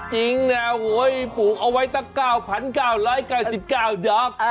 จริงนะโอ๊ยปลูกเอาไว้เท่า๙๙๙๙ดอก